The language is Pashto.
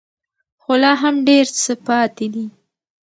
خو لا هم ډېر څه پاتې دي.